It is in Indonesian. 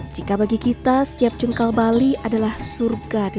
jika bagi kita setiap cengkal bali adalah surga destrikan